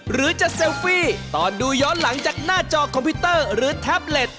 หรือจะเซลฟี่ตอนดูย้อนหลังจากหน้าจอคอมพิวเตอร์หรือแท็บเล็ต